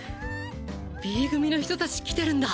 Ｂ組の人たち来てるんだ。